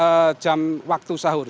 sehingga jam waktu sahur